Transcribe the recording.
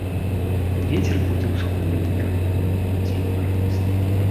Вецер будзе ўсходні ўмераны, удзень парывісты.